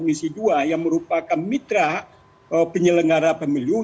sebagai anggota komisi dua yang merupakan mitra penyelenggara pemilu